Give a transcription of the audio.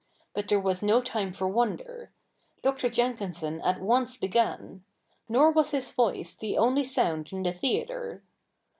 But there was no time for wonder. Dr. Jenkinson at once began ; nor was his voice the only sound in the theatre.